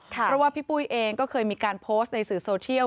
เพราะว่าพี่ปุ้ยเองก็เคยมีการโพสต์ในสื่อโซเทียล